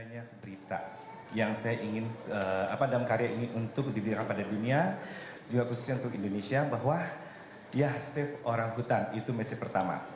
banyak berita yang saya ingin dalam karya ini untuk dibiarkan pada dunia juga khususnya untuk indonesia bahwa dia save orang hutan itu message pertama